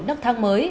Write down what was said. một nắp thang mới